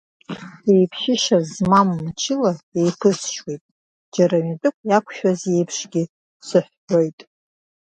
Еиԥшышьа змам мчыла еиԥысшьуеит, џьара митә иақәшәаз иеиԥшгьы сыҳәҳәоит.